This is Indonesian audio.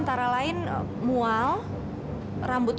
tika bangun s literature